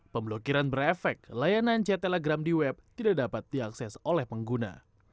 pemblokiran berefek layanan chat telegram di web tidak dapat diakses oleh pengguna